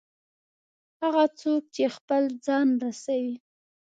هغه څوک چې خپل ځان رسوي.